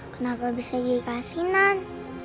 kenapa bisa jadi keasinan